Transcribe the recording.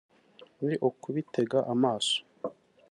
Ni ukubitega amaso